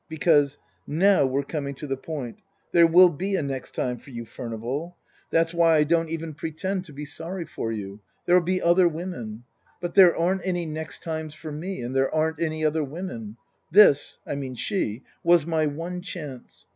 " Because now we're coming to the point there will be a next time for you, Furnival. That's why I don't 110 Tasker Jevons even pretend to be sorry for you. There'll be other women. But there aren't any next times for me, and there aren't any other women. This I mean she was my one chance.